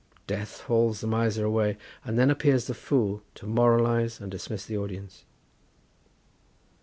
Death hauls the Miser away, and then appears the Fool to moralise and dismiss the audience.